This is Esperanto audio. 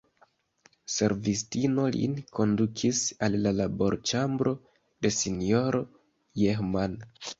Servistino lin kondukis al la laborĉambro de S-ro Jehman.